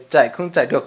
chạy không chạy được